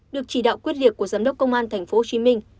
được chỉ đạo quyết liệt của giám đốc công an thành phố hồ chí minh